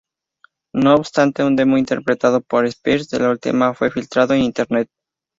No obstante, un demo interpretado por Spears de la última fue filtrado en internet.